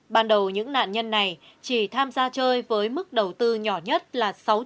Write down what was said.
ban đầu những nạn nhân này chỉ tham gia chơi với mức đầu tư nhỏ nhất là sáu triệu sáu trăm linh nghìn đồng